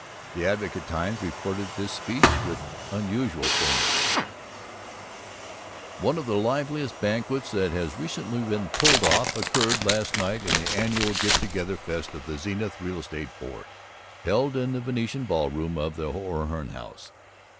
The Advocate Times reported this speech with unusual fullness: "One of the livest banquets that has recently been pulled off occurred last night in the annual Get Together Fest of the Zenith Real Estate Board, held in the Venetian Ball Room of the O'Hearn House.